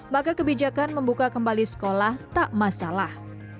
maka kebijakan membuka kembali sekolah tak masalah